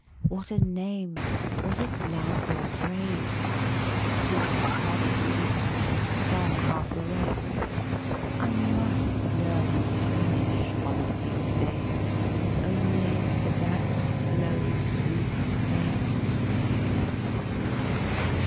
What a name! Was it love or praise? Speech half asleep or song half awake? I must learn Spanish, one of these days, Only for that slow sweet name's sake.